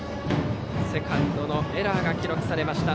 セカンドのエラーが記録されました。